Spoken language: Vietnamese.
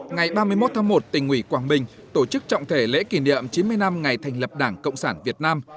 ngày ba mươi một tháng một tỉnh ủy quảng bình tổ chức trọng thể lễ kỷ niệm chín mươi năm ngày thành lập đảng cộng sản việt nam